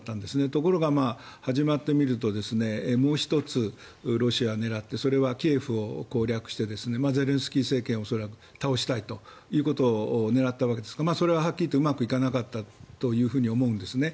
ところが、始まってみるともう１つ、ロシアは狙ってそれはキーウを攻略してゼレンスキー政権を倒したいということを狙ったわけですがそれははっきりとうまくいかなかったと思うんですね。